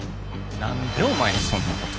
何でお前にそんなこと。